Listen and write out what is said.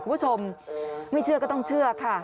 คุณผู้ชมไม่เชื่อก็ต้องเชื่อค่ะ